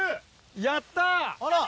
やった！